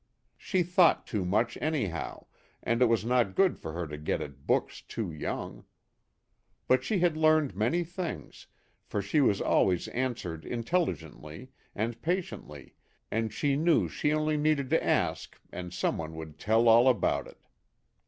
She thought too much anyhow, and it was not good for her to get at books too young. But she had learned many things, for she was always answered intelligently and patiently and she knew she only needed to ask and some one would " tell all about it."